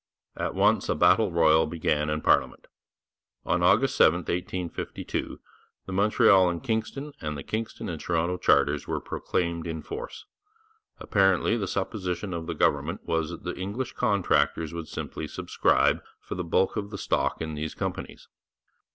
At once a battle royal began in parliament. On August 7, 1852, the Montreal and Kingston and the Kingston and Toronto charters were proclaimed in force; apparently the supposition of the government was that the English contractors would simply subscribe for the bulk of the stock in these companies.